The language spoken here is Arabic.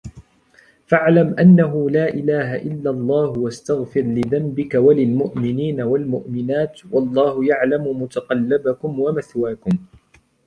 فاعلم أنه لا إله إلا الله واستغفر لذنبك وللمؤمنين والمؤمنات والله يعلم متقلبكم ومثواكم